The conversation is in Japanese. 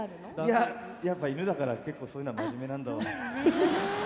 いややっぱ犬だから結構そういうのは真面目なんだワン。